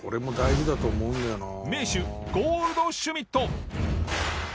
名手ゴールドシュミット。